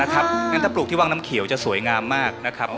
งั้นถ้าปลูกที่วังน้ำเขียวจะสวยงามมากนะครับ